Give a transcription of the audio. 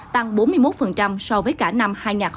tăng bốn mươi một so với cả năm hai nghìn hai mươi hai